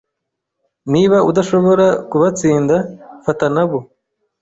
Niba udashobora kubatsinda, fata nabo.